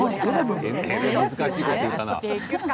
難しいこと言ったな。